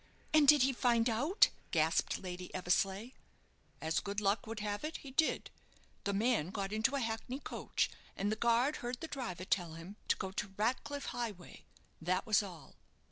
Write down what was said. "And did he find out?" gasped Lady Eversleigh. "As good luck would have it, he did. The man got into a hackney coach, and the guard heard the driver tell him to go to Ratcliff Highway that was all."